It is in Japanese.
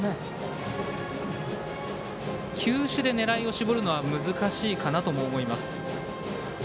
球種で狙いを絞るのは難しいかなと思います。